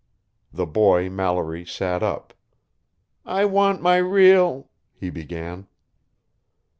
The boy Mallory sat up. "I want my real " he began.